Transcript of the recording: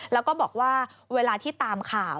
แล้วก็บอกว่าเวลาที่ตามข่าว